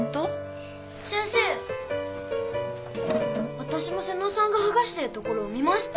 わたしも妹尾さんがはがしてるところを見ました！